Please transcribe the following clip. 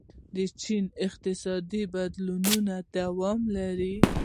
چین اقتصادي بدلونونه ادامه لري.